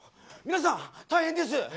皆さん大変です！